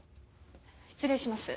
失礼します。